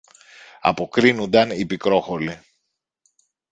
αποκρίνουνταν η Πικρόχολη.